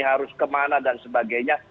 harus kemana dan sebagainya